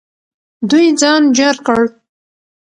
دوی ځان جار کړ.